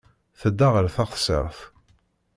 Tedda ɣer teɣsert.